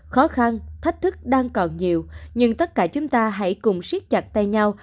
khó khăn thách thức đang còn nhiều nhưng tất cả chúng ta hãy cùng siết chặt tay nhau